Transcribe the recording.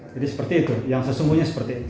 jadi seperti itu yang sesungguhnya seperti itu